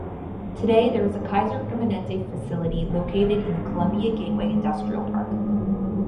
Today, there is a Kaiser Permanente facility located in the Columbia Gateway industrial park.